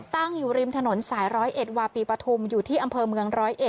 ตั้งอยู่ริมถนนสาย๑๐๑วาปีปฐุมอยู่ที่อำเภอเมือง๑๐๑